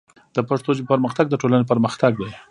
د پښتو ژبې پرمختګ د ټولنې پرمختګ دی.